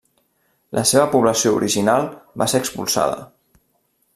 La seva població original va ser expulsada.